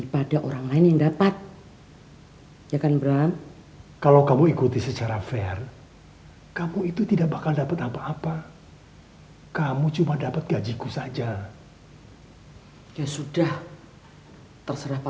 mohon petunjuk sama yang punya hidup